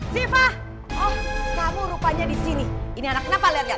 siva oh kamu rupanya di sini ini anak kenapa lihat gak